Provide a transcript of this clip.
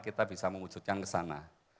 kita bisa memujukkan kesana